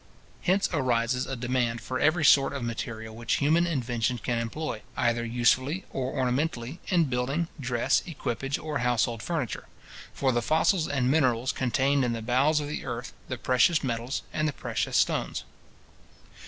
Hence arises a demand for every sort of material which human invention can employ, either usefully or ornamentally, in building, dress, equipage, or household furniture; for the fossils and minerals contained in the bowels of the earth, the precious metals, and the precious stones.